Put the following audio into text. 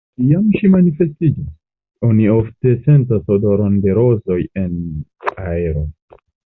Kiam ŝi manifestiĝas, ofte oni sentas odoron de rozoj en aero.